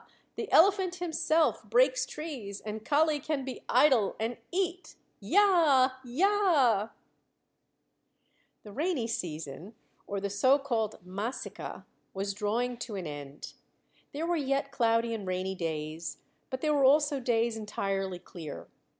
The elephant, himself, breaks trees and Kali can be idle and eat. Yah! Yah!" The rainy season, or the so called "massica," was drawing to an end. There were yet cloudy and rainy days, but there were also days entirely clear.